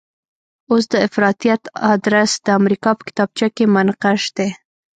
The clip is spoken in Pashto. اوس د افراطیت ادرس د امریکا په کتابچه کې منقش دی.